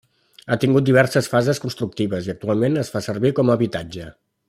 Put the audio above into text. Ha tingut diverses fases constructives i actualment es fa servir com a habitatge.